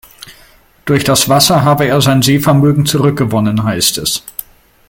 Durch das Wasser habe er sein Sehvermögen zurückgewonnen, heißt es.